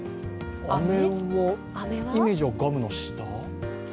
あめはイメージはガムの下？